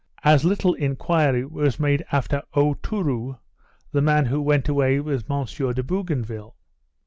As little enquiry was made after Aotourou, the man who went away with M. de Bougainville.